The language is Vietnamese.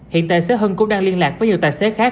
hiện tài xế hưng cũng đang liên lạc với nhiều tài xế khác